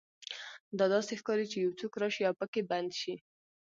دا داسې ښکاري چې یو څوک راشي او پکې بند شي